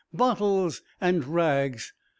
bottles and ra ags ..."